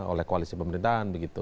oleh koalisi pemerintahan begitu